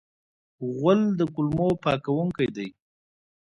غول د کولمو پاکونکی دی.